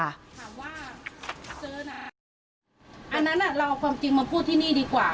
อันนั้นเราเอาความจริงมาพูดที่นี่ดีกว่า